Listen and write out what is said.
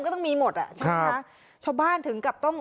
ก็ต้องมีหมดอ่ะครับชาวบ้านถึงกับต้อง